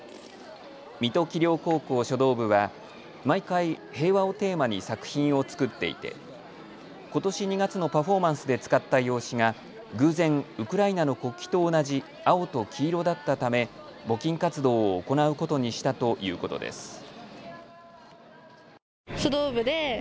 水戸葵陵高校書道部は毎回、平和をテーマに作品を作っていてことし２月のパフォーマンスで使った用紙が偶然、ウクライナの国旗と同じ青と黄色だったため募金活動を行うことにしたということです。